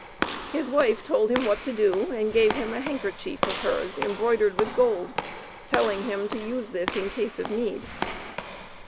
His wife told him what to do, and gave him a handkerchief of hers, embroidered with gold, telling him to use this in case of need.